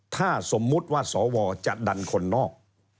ถ้าสมมุติว่าสวจะดันคนนอก